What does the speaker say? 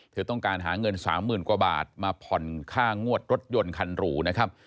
เธอต้องการหาเงิน๓๐๐๐กว่าบาทมาผ่อนค่างวดรถยนต์คันหรูนะครับ